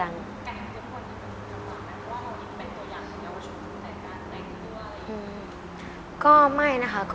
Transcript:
แก่งทุกคนเป็นตัวอย่างของเยาวชุมแต่การแต่งตัวอะไรอย่างนี้